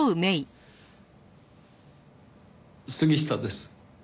杉下です。